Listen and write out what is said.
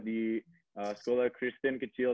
di sekolah kristen kecil